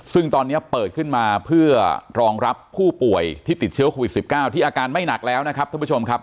ซึ่งตอนนี้เปิดขึ้นมาเพื่อรองรับผู้ป่วยที่ติดเชื้อโควิด๑๙ที่อาการไม่หนักแล้วนะครับท่านผู้ชมครับ